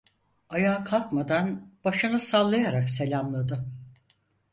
Ayağa kalkmadan başını sallayarak selamladı.